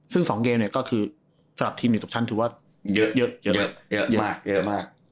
ซึ่ง๒เกมเนี่ยก็คือสำหรับทีมอยู่ตรงชั้นถือว่าเยอะ